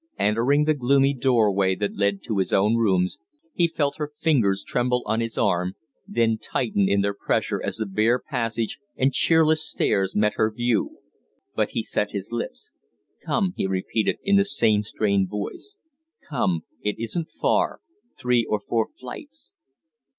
Entering the gloomy door way that led to his own rooms, he felt her fingers tremble on his arm, then tighten in their pressure as the bare passage and cheerless stairs met her view; but he set his lips. "Come!" he repeated, in the same strained voice. "Come! It isn't far three or four flights."